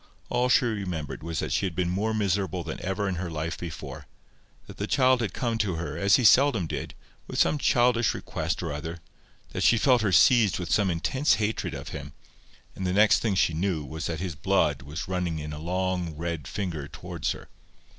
All she remembered was that she had been more miserable than ever in her life before; that the child had come to her, as he seldom did, with some childish request or other; that she felt herself seized with intense hatred of him; and the next thing she knew was that his blood was running in a long red finger towards her.